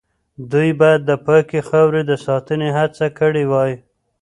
دوی باید د پاکې خاورې د ساتنې هڅه کړې وای.